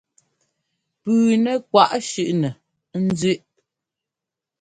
Pʉʉnɛ́ kwaʼ shúnɛ ɛ́nzʉ́ʼ.